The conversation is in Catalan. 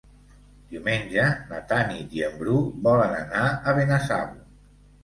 Diumenge na Tanit i en Bru volen anar a Benasau.